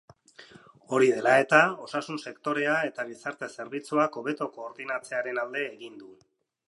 Hori dela eta, osasun sektorea eta gizarte-zerbitzuak hobeto koordinatzearen alde egin du.